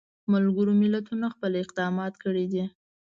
ملګرو ملتونو خپل اقدامات کړي دي.